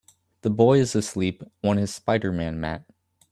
The boy is asleep on his Spiderman mat